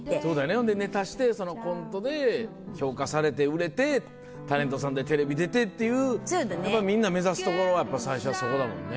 ほんでネタしてコントで評価されて売れてタレントさんでテレビ出てっていうみんな目指すところは最初はそこだもんね。